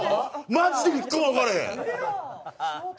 マジで１個も分からん。